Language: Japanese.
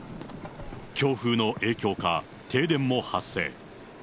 強風の影響か、停電も発生。